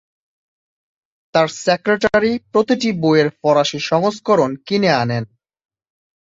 তাঁর সেক্রেটারি প্রতিটি বইয়ের ফরাসি সংস্করণ কিনে আনেন।